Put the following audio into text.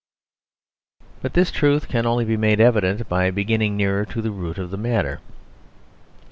But this truth can only be made evident by beginning nearer to the root of the matter.